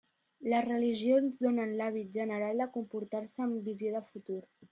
Les religions donen l'hàbit general de comportar-se amb visió de futur.